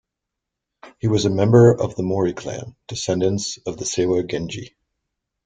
He was a member of the Mori Clan, descendants of the Seiwa Genji.